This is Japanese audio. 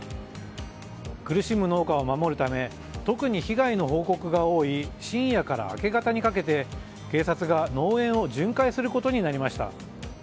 苦しむ農家を守るため特に被害の報告が多い深夜から明け方にかけて警察が農園を巡回することになりました。